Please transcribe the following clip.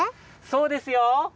そうですよ。